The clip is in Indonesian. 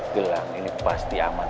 gelang ini pasti aman